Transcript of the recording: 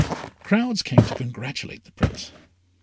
Crowds came to congratulate the Prince.